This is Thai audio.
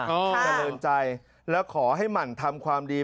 เจริญใจแล้วขอให้หมั่นทำความดี